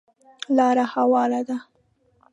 لاره هواره ده .